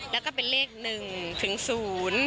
แล้วก็เป็นเลขหนึ่งถึงศูนย์